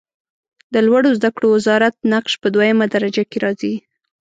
د لوړو زده کړو وزارت نقش په دویمه درجه کې راځي.